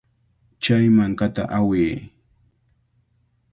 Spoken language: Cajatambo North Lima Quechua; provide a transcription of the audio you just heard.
Chay mankata awiy.